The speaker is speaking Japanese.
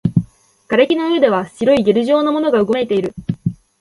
瓦礫の上では白いゲル状のものがうごめいている